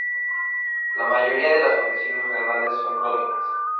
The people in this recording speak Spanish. La mayoría de las condiciones renales son crónicas.